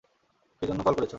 কী জন্য কল করেছ?